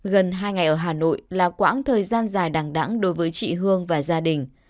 gần hai ngày ở hà nội là quãng thời gian dài đàng đẳng đối với chị hương và gia đình